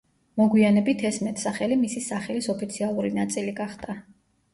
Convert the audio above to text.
მოგვიანებით ეს მეტსახელი მისი სახელის ოფიციალური ნაწილი გახდა.